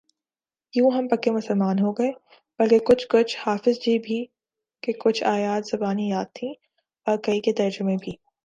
یوں ہم پکے مسلمان ہوگئے بلکہ کچھ کچھ حافظ جی بھی کہ کچھ آیات زبانی یاد تھیں اور کئی کے ترجمے بھی